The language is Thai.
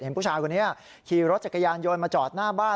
ผู้ชายคนนี้ขี่รถจักรยานโยนมาจอดหน้าบ้าน